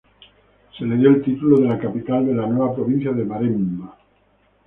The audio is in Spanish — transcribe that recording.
Se le dio el título de la capital de la nueva provincia de Maremma.